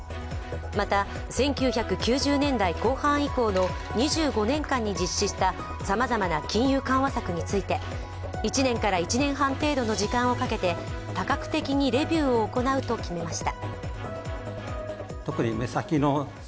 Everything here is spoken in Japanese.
また、１９９０年代後半以降の２５年間に実施したさまざまな金融緩和策について１年から１年半程度の時間をかけて多角的にレビューを行うと決めました。